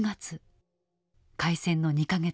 開戦の２か月前。